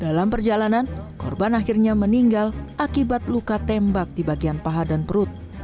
dalam perjalanan korban akhirnya meninggal akibat luka tembak di bagian paha dan perut